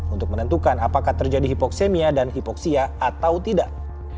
untuk menentukan apakah terjadi hipoksemia dan hipoksia atau tidak